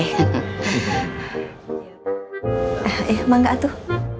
eh eh emang gak atuh